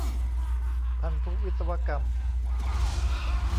พันธุวิศวกรรม